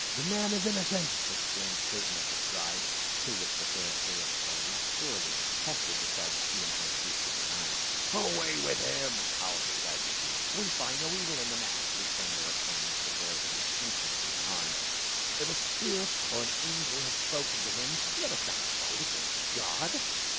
" The man is innocent !" exclaimed certain of the Scribes who with the Pharisaic party thoroughly detested the Sadducean high priest, Ananias. "Away with him !" howled the Sadducees. "We find no evil in the man," returned their oppo nents, the Pharisees, instantly in arms. " If a spirit or an angel hath spoken to him, let us not fight against God